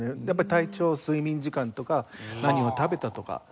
やっぱり体調睡眠時間とか何を食べたとか。